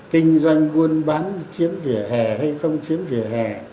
kinh doanh buôn bán chiếm vỉa hè hay không chiếm vỉa hè